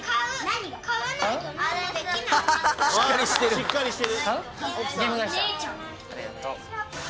しっかりしてる！